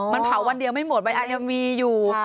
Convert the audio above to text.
มันเผาวันเดียวไม่หมดใบอันยังมีอยู่